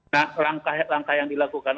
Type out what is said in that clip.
nah langkah langkah yang dilakukan